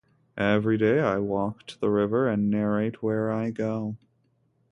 Every day I walk to the river and narrate where I go.